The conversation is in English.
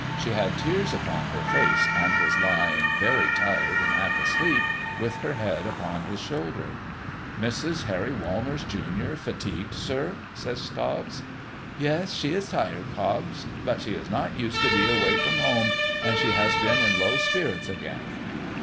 She had tears upon her face, and was lying, very tired and half asleep, with her head upon his shoulder. ' Mrs. Harry Walmers, Junior, fatigued, sir ?' says Cobbs. * Yes, she is tired, Cobbs ; but she is not used to be away from home, and she has been in low spirits again.